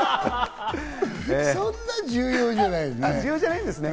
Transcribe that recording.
そんな重要じゃないね。